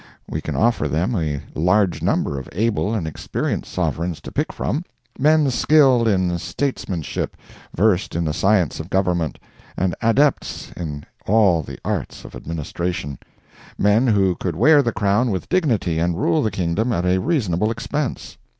We can offer them a large number of able and experienced sovereigns to pick from—men skilled in statesmanship, versed in the science of government, and adepts in all the arts of administration—men who could wear the crown with dignity and rule the kingdom at a reasonable expense.